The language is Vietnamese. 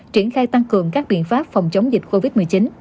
triển khai tăng cường các biện pháp phòng chống dịch covid một mươi chín